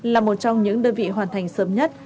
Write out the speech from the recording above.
là một trong những đơn vị hoàn thành sớm nhất